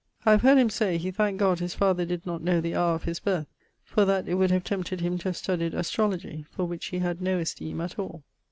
I have heard him say, he thankt God his father did not know the houre of his birth; for that it would have tempted him to have studyed astrologie, for which he had no esteeme at all.